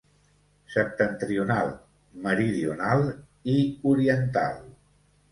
Septentrional, Meridional i Oriental.